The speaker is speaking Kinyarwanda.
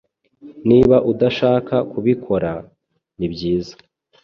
Niba udashaka kubikora, nibyiza.